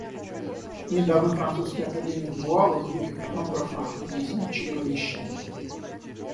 Недавно французский академик Буало звуки фонографа объяснил чревовещанием.